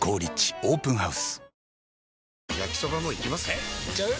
えいっちゃう？